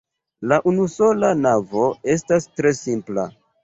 La unusola navo estas tre simpla.